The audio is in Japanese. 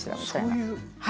そういうね